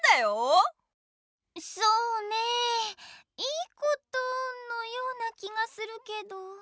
そうねぇ良いことのような気がするけど。